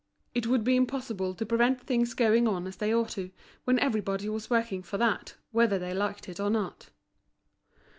It would be impossible to prevent things going on as they ought to, when everybody was working for that, whether they liked it or not.